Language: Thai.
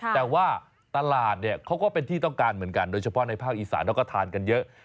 แต่ว่าตลาดเนี่ยเขาก็เป็นที่ต้องการเหมือนกันโดยเฉพาะในภาคอีสานเราก็ทานกันเยอะ